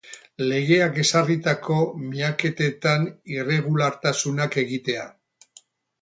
Legeak ezarritako miaketetan irregulartasunak egitea.